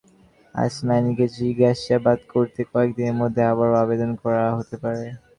আসামিকে জিজ্ঞাসাবাদ করতে কয়েক দিনের মধ্যে আবারও আবেদন করা হতে পারে।